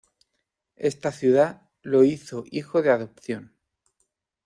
Esta ciudad lo hizo Hijo de Adopción.